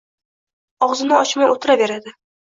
og‘zini ochmay o‘tiraveradi.